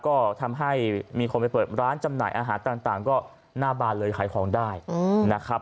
ก็ทำให้มีคนไปเปิดร้านจำหน่ายอาหารต่างก็หน้าบานเลยขายของได้นะครับ